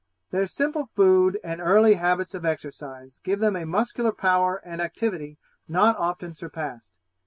Their simple food and early habits of exercise give them a muscular power and activity not often surpassed.